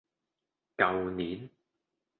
舊年